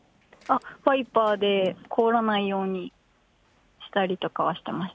ワイパーで凍らないようにしたりとかはしてました。